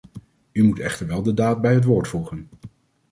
U moet echter wel de daad bij het woord voegen!